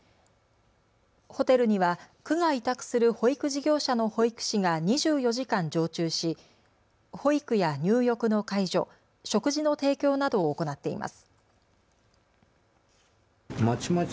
ホテルには区が委託する保育事業者の保育士が２４時間常駐し、保育や入浴の介助、食事の提供などを行っています。